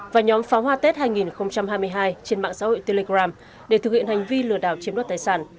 và nhóm pháo hoa tết hai nghìn hai mươi hai trên mạng xã hội telegram để thực hiện hành vi lừa đảo chiếm đoạt tài sản